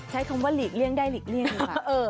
ใช้คำว่าหลีกเลี่ยงได้หลีกเลี่ยงเลยค่ะ